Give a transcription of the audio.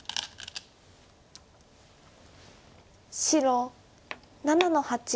白７の八。